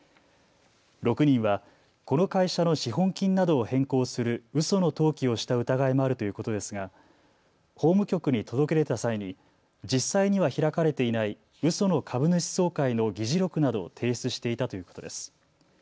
６人はこの会社の資本金などを変更するうその登記をした疑いもあるということですが法務局に届けた際に実際には開かれていないうその株主総会の議事録などを提出していたということです。